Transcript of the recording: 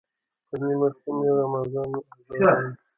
پر نیمه شپه مې غمازان آزار ویني.